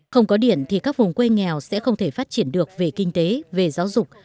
không có điện thì các vùng quê nghèo sẽ không thể phát triển được về kinh tế về giáo dục